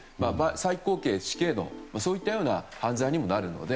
最高刑死刑といったような犯罪にもなるので。